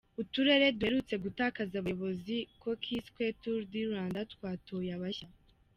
Uturere duherutse gutakaza abayobozi ku kiswe Tour du rwanda twatoye abashya.